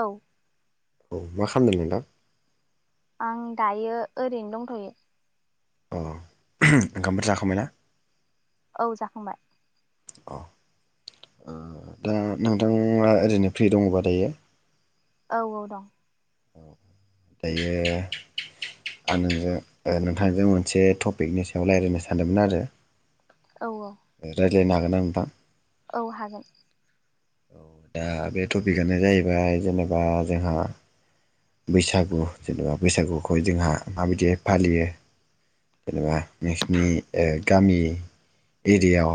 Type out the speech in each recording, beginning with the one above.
औ औ मा खामदों नोंथां? आं दायो ओरैनो दंथयो औ ओंखामफोर जाखांबायना? औ जाखांबाय अ दा नोंथां ओरैनो फ्रि दङबा दायो? औ औ दं दायो आं नोंजों नोंथांजों मोनसे टपिकनि सायाव रायलायनो सानदोंमोन आरो औ रायज्लायनो हागोन आं नोंथां? औ हागोन औ दा बे टपिकआनो जाहैबाय जेनेबा जोंहा बैसागु जेनेबा बैसागुखौ जोंहा माबायदि फालियो जेनेबा नोंसिनि ओ गामि एरियायाव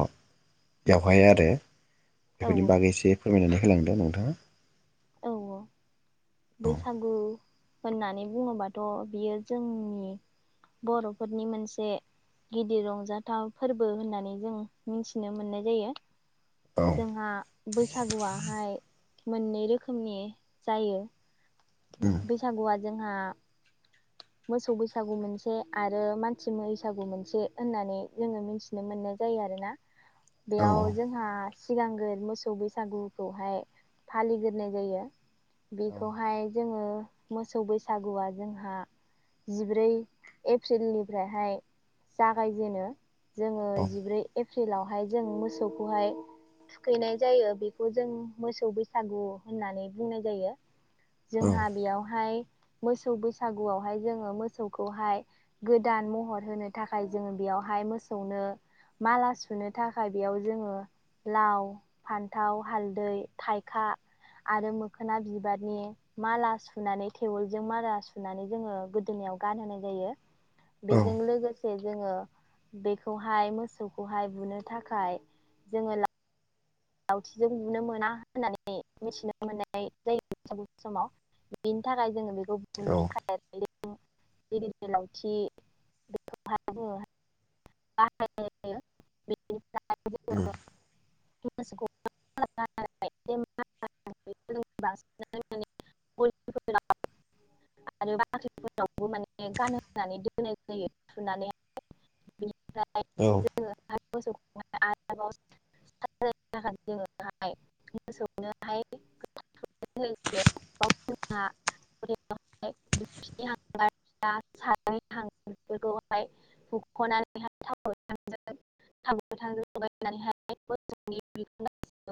बेवहाय आरो औ बेफोरनि बागै एसे फोरमायनानै होलांदों नोंथाङा औ औ औ बैसागु होननानै बुङोबाथ बियो जोंनि बरफोरनि मोनसे गिदिर रंजाथाव फोरबो होननानै जों मिथिनो मोननाय जायो औ जोंहा बैसागुआहाय मोननै रोखोमनि जायो उम बैसागुआ जोंहा [inaudible] मोसौ बैसागु मोनसे आरो मानसि बैसागु मोनसे होननानै जोङो मिथिनो मोननाय जायो आरो ना औ बेयाव जोंहा सिगांग्रो मोसौ बैसागुखौहाय फालिग्रोनाय जायो औ बेखौहाय जोङो मोसौ बैसागुआ जोंहा जिब्रै एप्रिलनिफ्रायहाय जागायजेनो जोङो औ जिब्रै एप्रिलावहाय जों मोसौखौहाय थुखैनाय जायो बेखौ जों मोसौ बैसागु होननानै बुंनाय जायो औ जोंहा बेयावहाय मोसौ बैसा गुआवहाय जोङो मोसौखौहाय गोदान महर होनो थाखाय जोङो बेयावहाय मोसौनो माला सुनो थाखाय बेयाव जोङो लाव फान्थाव हालदै थाइखा आरो मोखोना बिबारनि माला सुनानै टेवोलजों माला सु नानै जोङो गोदोनायाव गानहोनाय जायो औ बेजों लोगोसे जोङो बेखौहाय मोसौखौहाय बुनो थाखाय जोङो लावथिजों बुनो मोना होननानै मिथिनो मोननाय जायो सम समाव बिनि थाखाय जोङो बे औ [unintelligible] लावथि [unintelligible] [unintelligible] जोङो उम [unintelligible] [unintelligible] आरो बाख्रिफोरावबो माने गान होननानै दोननाय जायो थुनानै बेनिफ्राय औ जोङोहाय मोसौखौहाय आरोबाव [unintelligible] मोसौनोहाय [unintelligible] [unintelligible] देबफिनि हांगारा साराइनि हांगार [unintelligible] फोरखौहाय हुख'नानैहाय थाव गोथांजों थावगोथांजों लगायनानैहाय [unintelligible]